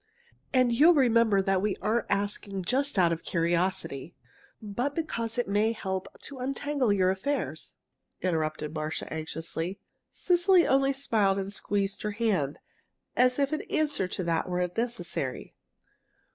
"And you'll remember that we aren't asking just out of curiosity, but because it may help to untangle your affairs?" interrupted Marcia, anxiously. Cecily only smiled and squeezed her hand, as if an answer to that were unnecessary.